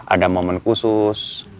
ada momen khusus